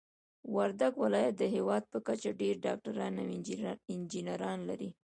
وردګ ولايت د هيواد په کچه ډير ډاکټران او انجنيران لري.